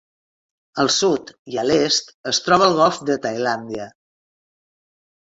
Al sud i a l'est es troba el golf de Tailàndia.